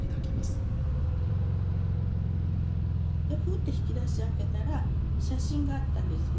ふって引き出し開けたら写真があったんですね